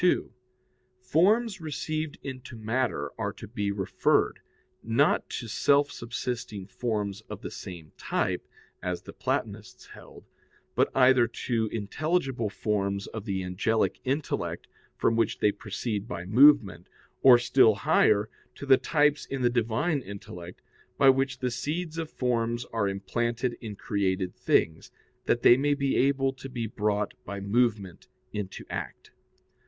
2: Forms received into matter are to be referred, not to self subsisting forms of the same type, as the Platonists held, but either to intelligible forms of the angelic intellect, from which they proceed by movement, or, still higher, to the types in the Divine intellect, by which the seeds of forms are implanted in created things, that they may be able to be brought by movement into act.